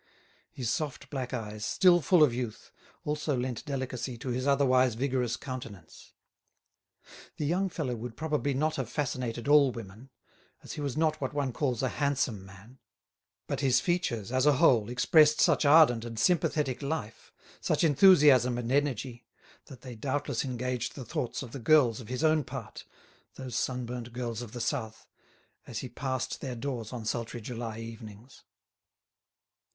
His soft black eyes, still full of youth, also lent delicacy to his otherwise vigorous countenance. The young fellow would probably not have fascinated all women, as he was not what one calls a handsome man; but his features, as a whole, expressed such ardent and sympathetic life, such enthusiasm and energy, that they doubtless engaged the thoughts of the girls of his own part—those sunburnt girls of the South—as he passed their doors on sultry July evenings.